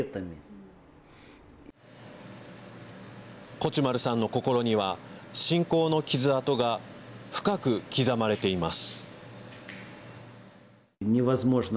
コチュマルさんの心には侵攻の傷跡が深く刻まれています。